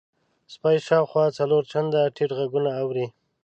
سپی شاوخوا څلور چنده ټیټ غږونه اوري.